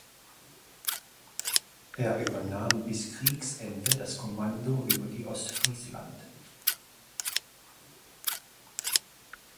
Er übernahm bis Kriegsende das Kommando über die "Ostfriesland".